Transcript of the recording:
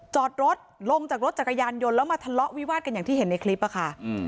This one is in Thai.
จอดรถลงจากรถจักรยานยนต์แล้วมาทะเลาะวิวาดกันอย่างที่เห็นในคลิปอะค่ะ